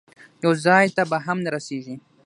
یو ځای ته به هم نه رسېږي.